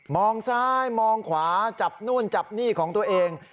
ซ้ายมองขวาจับนู่นจับนี่ของตัวเอง